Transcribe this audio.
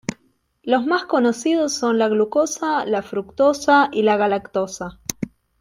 Los más conocidos son la glucosa, la fructosa y la galactosa.